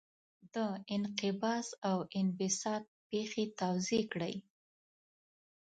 د انقباض او انبساط پېښې توضیح کړئ.